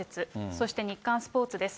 そしてニッカンスポーツです。